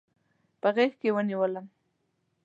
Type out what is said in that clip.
په غېږ کې ونیولم.